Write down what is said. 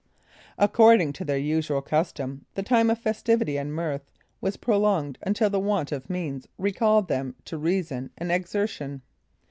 According to their usual custom, the time of festivity and mirth was prolonged until the want of means recalled them to reason and exertion.